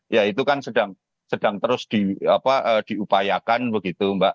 ya itu kan sedang terus diupayakan begitu mbak